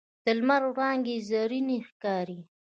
د لمر وړانګې زرینې ښکاري